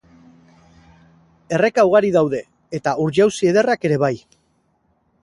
Erreka ugari daude eta ur-jauzi ederrak ere bai.